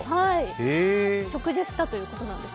植樹したということなんですよ。